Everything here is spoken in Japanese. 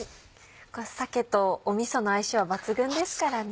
鮭とみその相性は抜群ですからね。